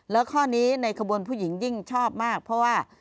แล้วข้อนี้ในขบวนผู้หญิงยิ่งชอบมากเพราะว่า